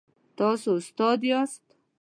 تاسو استاد یاست؟